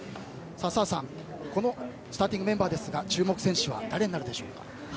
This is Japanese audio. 澤さんスターティングメンバーですが注目選手は誰になるでしょうか。